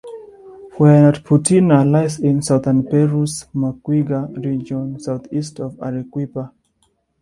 Huaynaputina lies in Southern Peru's Moquegua Region, southeast of Arequipa.